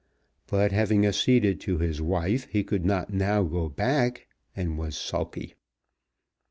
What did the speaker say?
But having acceded to his wife he could not now go back, and was sulky.